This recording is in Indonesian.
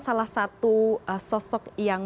salah satu sosok yang